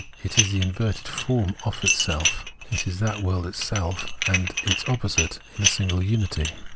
it is the inverted form of itself ; it is that world itself and its opposite in a single unity.